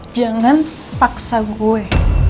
jangan paksa gue